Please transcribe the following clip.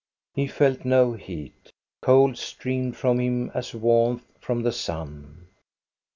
He felt no heat. Cold streamed from him as warmth from the sun.